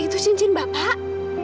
itu cincin bapak